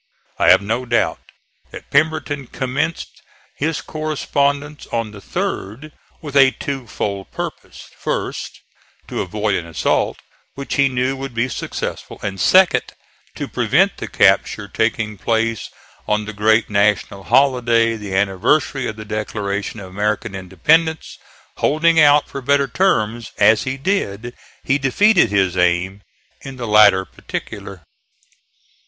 I have no doubt that Pemberton commenced his correspondence on the third with a two fold purpose: first, to avoid an assault, which he knew would be successful, and second, to prevent the capture taking place on the great national holiday, the anniversary of the Declaration of American Independence. Holding out for better terms as he did he defeated his aim in the latter particular.